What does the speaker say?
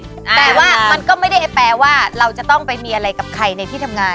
แต่ว่ามันก็ไม่ได้แปลว่าเราจะต้องไปมีอะไรกับใครในที่ทำงาน